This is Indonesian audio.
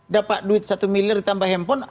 dapat duit satu miliar ditambah handphone